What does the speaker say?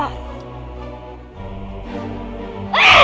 aku harus menemukan tempat sementara